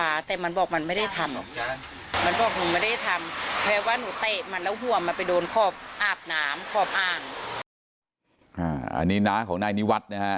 อันนี้น้าของนายนิวัฒน์นะฮะ